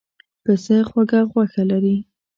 پسه خوږه غوښه لري.